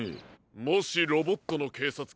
もしロボットのけいさつ